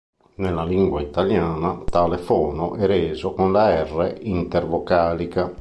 Nella lingua italiana tale fono è reso con la R intervocalica.